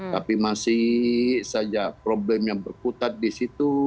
tapi masih saja problem yang berputar di situ